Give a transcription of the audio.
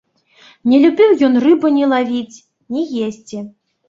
Не любіў ён рыбы ні лавіць, ні есці.